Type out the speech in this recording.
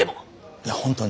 いや本当に。